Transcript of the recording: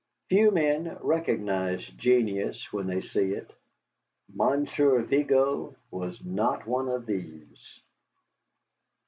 Few men recognize genius when they see it. Monsieur Vigo was not one of these.